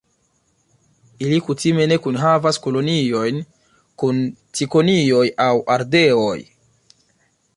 Ili kutime ne kunhavas koloniojn kun cikonioj aŭ ardeoj.